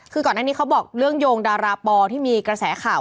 คือก่อนหน้านี้เขาบอกเรื่องโยงดาราปอที่มีกระแสข่าว